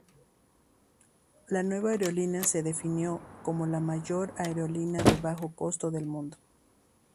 La nueva aerolínea se definió como "la mayor aerolínea de bajo costo del mundo".